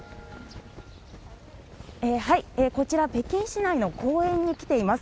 こちら、北京市内の公園に来ています。